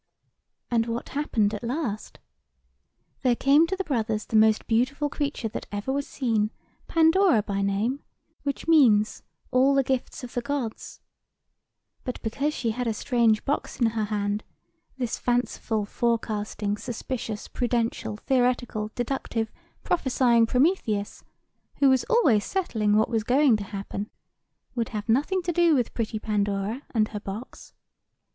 "And what happened at last? There came to the two brothers the most beautiful creature that ever was seen, Pandora by name; which means, All the gifts of the Gods. But because she had a strange box in her hand, this fanciful, forecasting, suspicious, prudential, theoretical, deductive, prophesying Prometheus, who was always settling what was going to happen, would have nothing to do with pretty Pandora and her box.